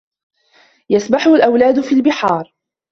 يَسْبَحُ الْأَوْلاَدُ فِي الْبِحارِ.